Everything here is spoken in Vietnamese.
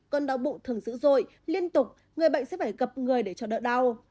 cơn đau bụng thường dữ dội liên tục người bệnh sẽ phải gặp người để cho đỡ đau